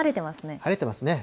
晴れてますね。